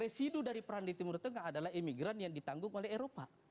residu dari perang di timur tengah adalah imigran yang ditanggung oleh eropa